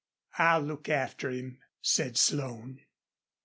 "I'll look after him," said Slone.